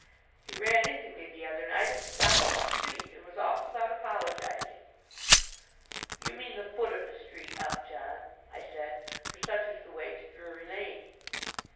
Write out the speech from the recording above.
He ran into me the other night at the top of the street, and was off without apologizing." "You mean the foot of the street, Upjohn," I said, for such is the way to Drury Lane.